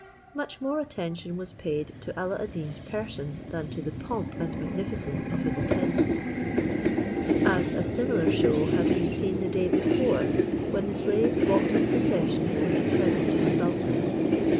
Much more attention was paid to Alla ad Deen's person than to the pomp and magnificence of his attendants, as a similar show had been seen the day before when the slaves walked in procession with the present to the sultan.